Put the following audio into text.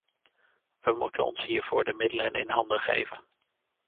We moeten ons hiervoor de middelen in handen geven.